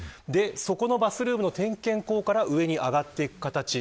そこのバスルームの点検孔から上に上がっていく形。